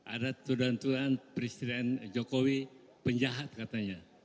ada tudanturan presiden jokowi penjahat katanya